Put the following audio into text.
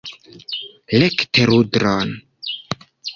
Rekte rudron!